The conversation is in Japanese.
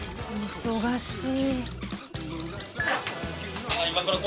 忙しい。